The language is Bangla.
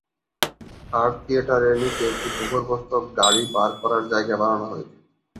স্টার থিয়েটারের নিচে একটি ভূগর্ভস্থ গাড়ি পার্ক করার জায়গা বানানো হয়েছে।